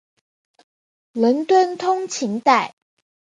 伦敦通勤带。